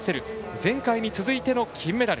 前回に続いての金メダル。